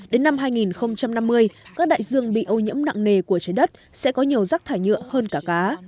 đến năm hai nghìn năm mươi các đại dương bị ô nhiễm nặng nề của trái đất sẽ có nhiều rác thải nhựa hơn cả cá